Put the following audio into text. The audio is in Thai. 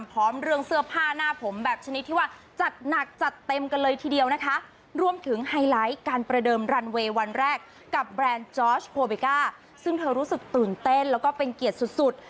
ก็จะรู้สึกตื่นเต้นแล้วก็เป็นเกียรติสุด